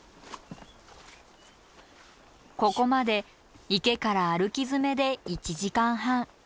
ここまで池から歩きづめで１時間半。